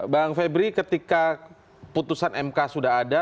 bang febri ketika putusan mk sudah ada